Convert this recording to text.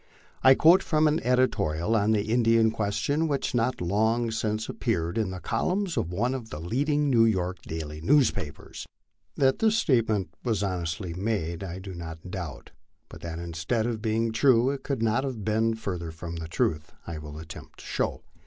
I quote from an editorial on the Indian question, which not long since ap peared in the columns of one of the leading New York daily newspapers. That this statement was honestly made I do not doubt, but that instead of be ing true it could not have been further from the truth I will attempt to show.